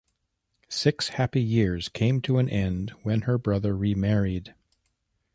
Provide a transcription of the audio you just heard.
Six happy years came to an end when her brother remarried.